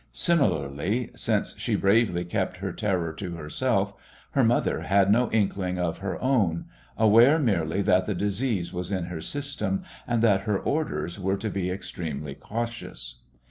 Similarly, since she bravely kept her terror to herself, her mother had no inkling of her own, aware merely that the disease was in her system and that her orders were to be extremely cautious.